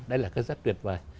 đây là cái rất tuyệt vời